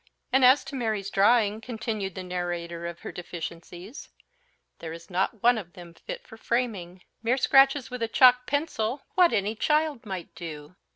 "And as to Mary's drawing," continued the narrator of her deficiencies, "there is not one of them fit for framing: mere scratches with a chalk pencil what any child might do."